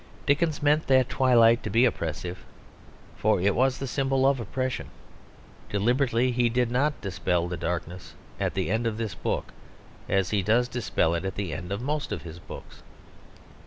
Dickens meant that twilight to be oppressive; for it was the symbol of oppression. Deliberately he did not dispel the darkness at the end of this book, as he does dispel it at the end of most of his books.